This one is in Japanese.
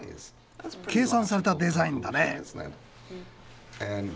計算されたデザインだね。